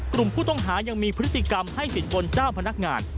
กลุ่มผู้ต้องหายังมีพฤติกรรมให้สินบนเจ้าพนักงาน